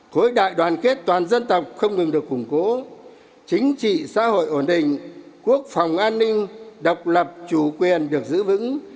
khối đại đoàn kết toàn dân tộc không ngừng được củng cố chính trị xã hội ổn định quốc phòng an ninh độc lập chủ quyền được giữ vững